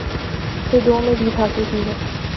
سے دو میں جیت حاصل کی ہے